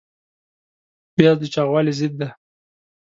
پیاز د چاغوالي ضد دی